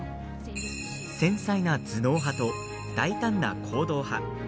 繊細な頭脳派と大胆な行動派